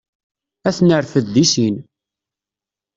Ad t-nerfed deg sin.